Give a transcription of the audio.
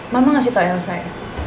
mama ngasih tau elsa ya